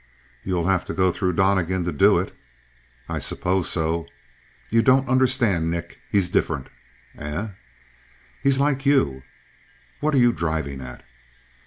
"You'll have to go through Donnegan to do it." "I suppose so." "You don't understand, Nick. He's different." "Eh?" "He's like you." "What are you driving at?"